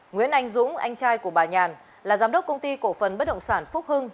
nguyễn anh dũng anh trai của bà nhàn là giám đốc công ty cổ phần bất động sản phúc hưng